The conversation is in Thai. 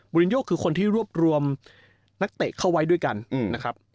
รินโยคือคนที่รวบรวมนักเตะเข้าไว้ด้วยกันนะครับ